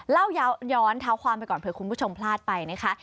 ย้อนเท้าความไปก่อนเผื่อคุณผู้ชมพลาดไปนะคะ